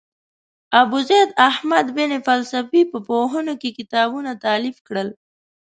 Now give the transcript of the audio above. ابوزید احمد بن فلسفي په پوهنو کې کتابونه تالیف کړل.